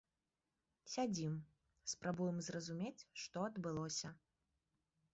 Сядзім, спрабуем зразумець, што адбылося.